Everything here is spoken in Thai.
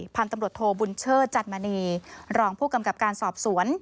พันธุ์ตำรวจโทบุญเชิดจันมณีรองผู้กำกับการสอบสวน